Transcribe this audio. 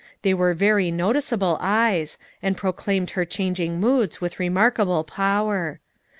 They were very noticeable eyes, and proclaimed her changing moods with remarkable power.